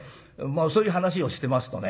そういう話をしてますとね相手がね